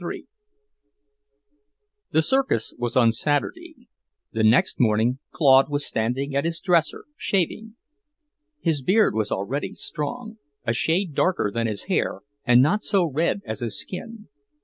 III The circus was on Saturday. The next morning Claude was standing at his dresser, shaving. His beard was already strong, a shade darker than his hair and not so red as his skin.